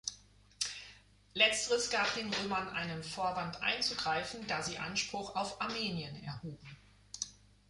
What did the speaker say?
Letzteres gab den Römern einen Vorwand einzugreifen, da sie Anspruch auf Armenien erhoben.